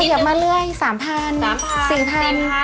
เถิบมาเรื่อย๓๐๐๐บาท๔๐๐๐บาท